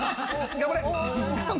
頑張れ！